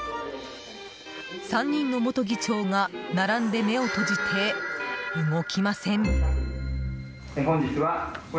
３人の元議長が並んで目を閉じて動きません。